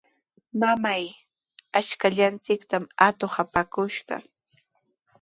¡Mamay, ashkallanchiktami atuq apakushqa!